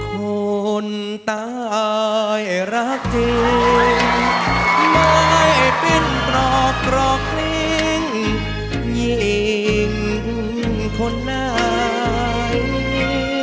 คุณตายรักจริงไม่เป็นปลอกปลอกลิ้งยิ่งคนใหม่